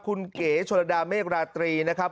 คุณเก๋ชนระดาเมฆราตรีนะครับ